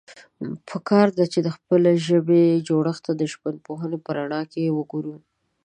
پکار ده، چې د خپلې ژبې جوړښت ته د ژبپوهنې په رڼا کې وګورو.